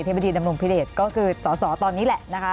อธิบดีดำรุงพิเศษก็คือเจาะสอตอนนี้แหละ